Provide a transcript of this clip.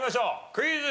クイズ。